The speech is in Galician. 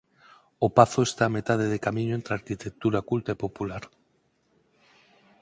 O pazo está a metade de camiño entre a arquitectura culta e popular.